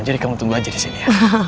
jadi kamu tunggu aja disini ya